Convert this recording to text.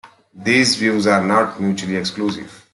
These views are not mutually exclusive.